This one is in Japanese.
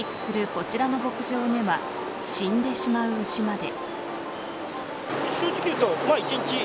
こちらの牧場では死んでしまう牛まで。